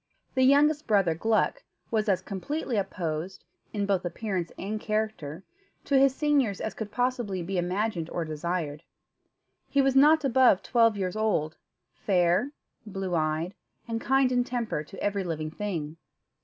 The youngest brother, Gluck, was as completely opposed, in both appearance and character, to his seniors as could possibly be imagined or desired. He was not above twelve years old, fair, blue eyed, and kind in temper to every living thing.